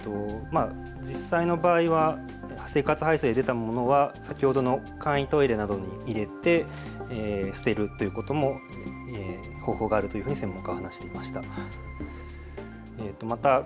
実際の場合は生活排水で出たものを先ほどの簡易トイレなどに入れて捨てるということも方法があるというふうに専門家は話していました。